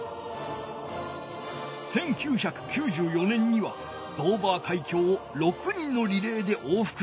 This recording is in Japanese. １９９４年にはドーバー海峡を６人のリレーでおうふく。